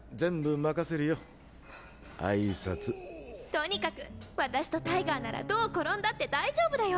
とにかく私とタイガーならどう転んだって大丈夫だよ。